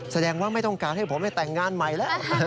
แสดงว่าไม่ต้องการให้ผมไปแต่งงานใหม่แล้ว